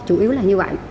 chủ yếu là như vậy